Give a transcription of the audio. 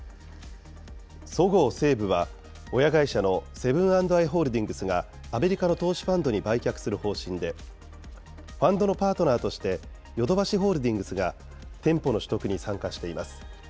そごう・西武は、親会社のセブン＆アイ・ホールディングスがアメリカの投資ファンドに売却する方針で、ファンドのパートナーとして、ヨドバシホールディングスが店舗の取得に参加しています。